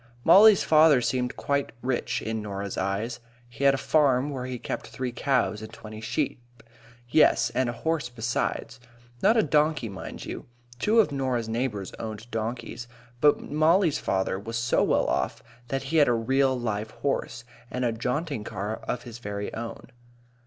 Mollie's father seemed quite rich in Norah's eyes. He had a farm, where he kept three cows and twenty sheep. Yes, and a horse besides. Not a donkey, mind you. Two of Norah's neighbours owned donkeys, but Mollie's father was so well off that he had a real live horse, and a jaunting car of his very own.